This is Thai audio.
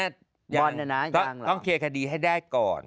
ตอนนี้น่ะต้องเคลียร์คดีให้ได้ก่อน